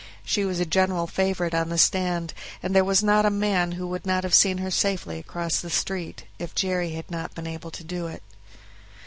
She was a general favorite on the stand, and there was not a man who would not have seen her safely across the street, if Jerry had not been able to do it.